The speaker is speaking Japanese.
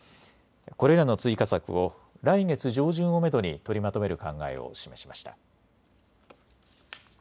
これらの追加策を来月上旬をめどに取りまとめる考えを示しました。